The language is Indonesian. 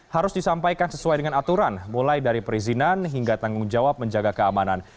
harus disampaikan sesuai dengan aturan mulai dari perizinan hingga tanggung jawab menjaga keamanan